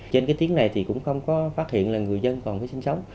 trên cái tiếng này thì cũng không có phát hiện là người dân còn phải sinh sống